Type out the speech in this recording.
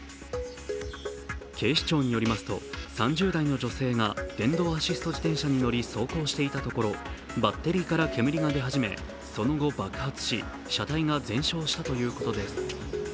警視庁によりますと、３０代の女性が電動アシスト自転車に乗り走行していたところバッテリーから煙が出始めその後、爆発し、車体が全焼したということです。